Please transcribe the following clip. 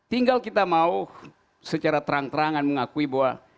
tinggal kita mau secara terang terangan mengakui bahwa